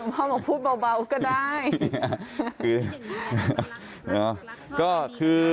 หลุงพ่อบอกพูดเบาก็ได้